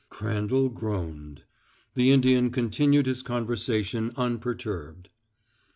Crandall groaned. The Indian continued his conversation unperturbed.